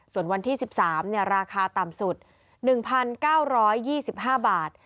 ส่วนวันที่๑๓ราคาต่ำสุด๑๙๒๕บาท